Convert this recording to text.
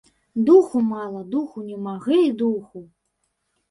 Духу мала, духу няма, гэй духу!